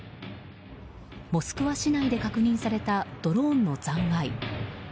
モスクワ市内で確認されたドローンの残骸。